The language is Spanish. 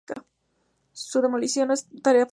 Su demolición no es tarea fácil.